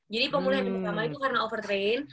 jadi pemulihan yang pertama itu karena overtrain